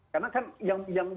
karena kan yang mengenal